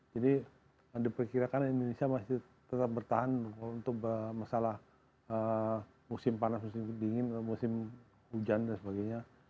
jadi diperkirakan indonesia masih tetap bertahan untuk masalah musim panas musim dingin musim hujan dan sebagainya